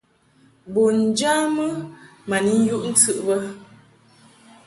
Bun njamɨ ma ni yuʼ ntɨʼ bə.